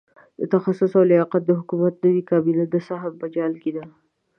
د تخصص او لیاقت د حکومت نوې کابینه د سهم په جال کې ده.